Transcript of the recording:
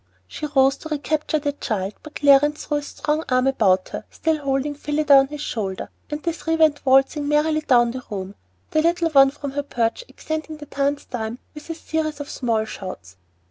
She rose to recapture the child; but Clarence threw a strong arm about her, still holding Phillida on his shoulder, and the three went waltzing merrily down the room, the little one from her perch accenting the dance time with a series of small shouts.